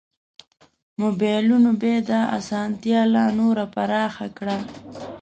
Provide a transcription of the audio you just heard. مبایلونو بیا دا اسانتیا لا نوره پراخه کړه.